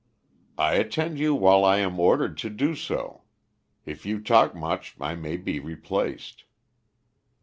"I attend you while I am ordered to do so. If you talk much I may be replaced."